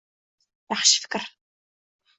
Yaxshi fikr.